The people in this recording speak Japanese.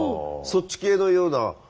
そっち系のような。